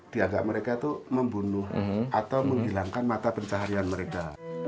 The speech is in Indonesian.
dianggap mereka itu membunuh atau menghilangkan mata pencaharian mereka